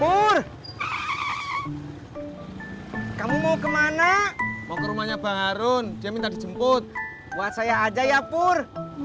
bur kamu mau kemana mau ke rumahnya bang harun dia minta dijemput buat saya aja ya pur